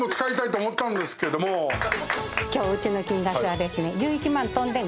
今日うちの金額がですね。